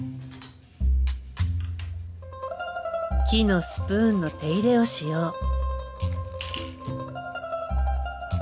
木のスプーンの手入れをしよう。